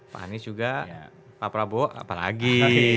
pak anies juga pak prabowo apalagi